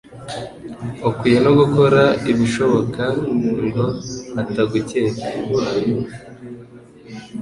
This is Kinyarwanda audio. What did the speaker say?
ukwiye no gukora ibishoboka ngo atagukeka